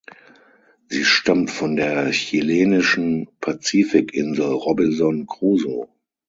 Sie stammt von der chilenischen Pazifik-Insel Robinson Crusoe.